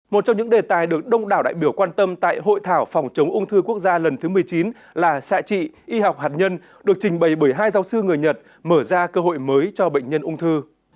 một trong những đề tài được đông đảo đại biểu quan tâm tại hội thảo phòng chống ung thư quốc gia lần thứ một mươi chín là xạ trị y học hạt nhân được trình bày bởi hai giáo sư người nhật mở ra cơ hội mới cho bệnh nhân ung thư